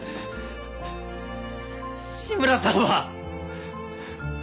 紫村さんは。